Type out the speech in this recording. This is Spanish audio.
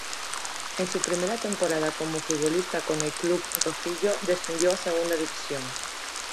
En su primera temporada como futbolista con el club rojillo, descendió a segunda división.